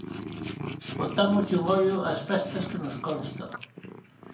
Botámoslle un ollo ás festas que nos constan.